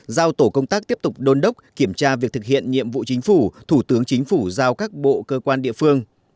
giao tổ công tác tiếp tục đôn đốc kiểm tra việc thực hiện nhiệm vụ chính phủ thủ tướng chính phủ giao các bộ cơ quan địa phương